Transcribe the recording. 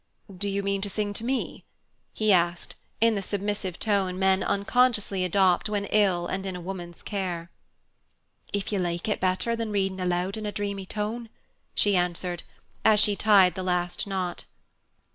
"Do you mean to sing to me?" he asked, in the submissive tone men unconsciously adopt when ill and in a woman's care. "If you like it better than reading aloud in a dreamy tone," she answered, as she tied the last knot.